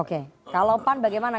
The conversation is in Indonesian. oke kalau pan bagaimana